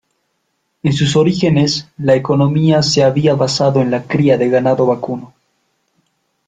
En sus orígenes, la economía se había basado en la cría de ganado vacuno.